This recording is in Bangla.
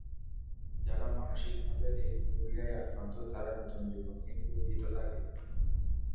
যারা মানসিক ভাবে এই ফোবিয়ায় আক্রান্ত তারা নতুন জীবন নিয়ে খুব ভীত থাকে।